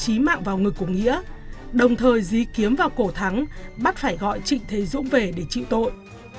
nghĩa đã đánh mạng vào ngực của nghĩa đồng thời dí kiếm vào cổ thắng bắt phải gọi trịnh thế dũng về để trị tội